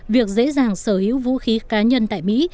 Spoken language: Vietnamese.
việc dễ dàng sở hữu vũ khí cá nhân tại mỹ